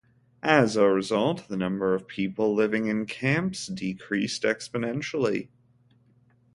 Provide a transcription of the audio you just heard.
As a result, the number of people living in the camps decreased exponentially.